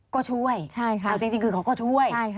ก็ช่วยเอาจริงคือเขาก็ช่วย